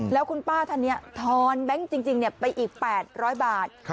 แล้วคุณป้าท่านนี้ทอนแบงค์จริงไปอีก๘๐๐บาท